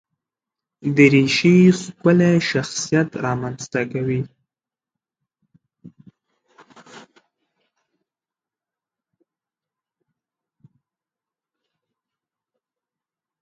دریشي ښکلی شخصیت رامنځته کوي.